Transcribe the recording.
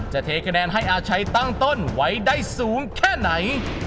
เทคะแนนให้อาชัยตั้งต้นไว้ได้สูงแค่ไหน